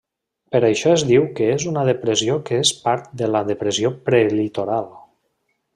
Per això es diu que és una depressió que és part de la Depressió Prelitoral.